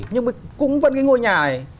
nhưng mà cũng vẫn cái ngôi nhà này